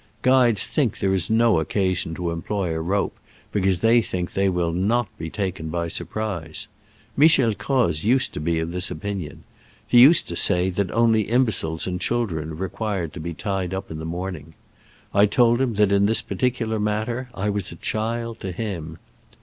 Guides think there is no occasion to employ a rope, because they think that they will not be taken by surprise. Michel Croz used to be of this opinion. He used to say that only imbeciles and children required to be tied up in the morning. I told him that in this particular matter I was a child to him.